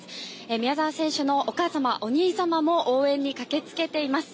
宮澤選手のお母様、お兄様も応援に駆けつけています。